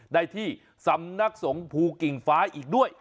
ได้ที่สำนักสงภูกิ่งฟ้าอีกด้วย